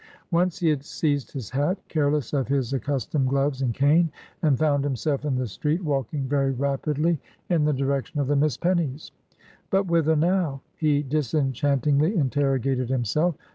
Once he had seized his hat, careless of his accustomed gloves and cane, and found himself in the street, walking very rapidly in the direction of the Miss Pennies'. But whither now? he disenchantingly interrogated himself.